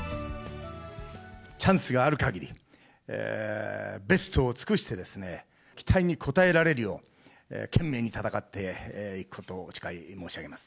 チャンスがあるかぎり、ベストを尽くして、期待に応えられるよう、懸命に戦っていくことをお誓い申し上げます。